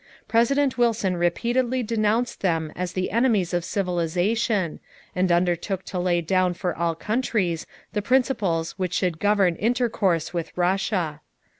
President Wilson repeatedly denounced them as the enemies of civilization and undertook to lay down for all countries the principles which should govern intercourse with Russia.